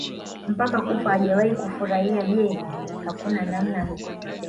mpaka kufa hawajawahi kufurahia Je hakuna namna